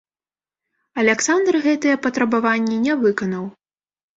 Аляксандр гэтыя патрабаванні не выканаў.